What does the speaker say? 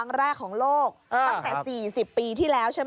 ค้นพบแรกของโลกตั้งแต่๔๐ปีที่แล้ว